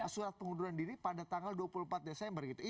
surat pengunduran diri pada tanggal dua puluh empat desember gitu